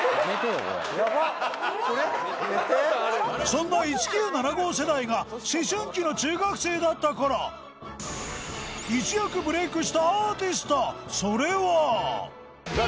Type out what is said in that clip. そんな１９７５世代が思春期の中学生だった頃一躍ブレイクしたアーティストそれは